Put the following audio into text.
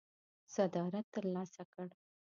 صدارت ترلاسه کړ.